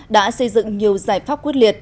đã xây dựng nhiều giải pháp quyết liệt